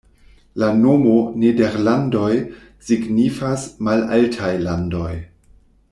La nomo "Nederlandoj" signifas "malaltaj landoj".